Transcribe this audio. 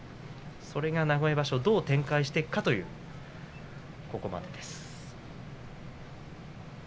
それが名古屋場所どう展開していくかというここまでです。